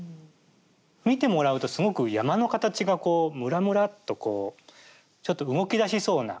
見てもらうとすごく山の形がこうむらむらっとこうちょっと動き出しそうな形。